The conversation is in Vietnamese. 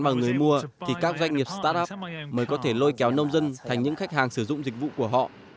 mà người mua thì các doanh nghiệp start up mới có thể lôi kéo nông dân thành những khách hàng sử dụng dịch vụ của họ